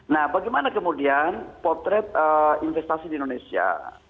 nah bagaimana kemudian potret investasi di indonesia